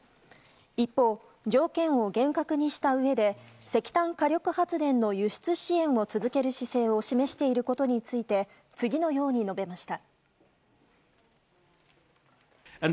一方、条件を厳格にしたうえで石炭火力発電の輸出支援を続ける姿勢を示していることについて次のように述べました。